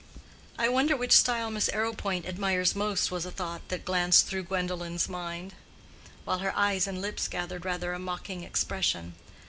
"I wonder which style Miss Arrowpoint admires most," was a thought that glanced through Gwendolen's mind, while her eyes and lips gathered rather a mocking expression.